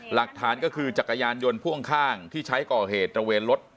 หลักฐานก็คือจักรยานยนต์พ่วงข้างที่ใช้ก่อเหตุตระเวนรถ